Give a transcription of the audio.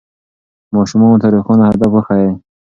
ماشومانو ته روښانه هدف وښیئ.